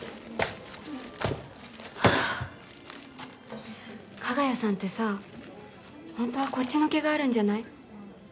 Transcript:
はぁ加賀谷さんってさホントはこっちの気があるんじゃない？